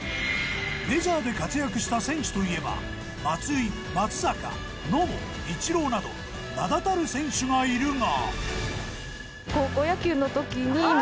メジャーで活躍した選手といえば松井松坂野茂イチローなど名だたる選手がいるが。